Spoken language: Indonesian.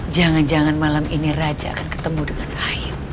jangan jangan malam ini raja akan ketemu dengan rahim